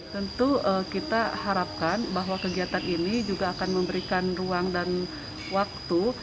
tentu kita harapkan bahwa kegiatan ini juga akan memberikan ruang dan waktu